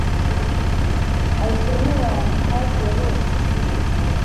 Azwi nabantu hafi ya bose kwisi